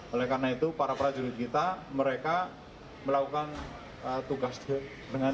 oleh karena itu para prajurit kita mereka melakukan tugas dengan rule of engagement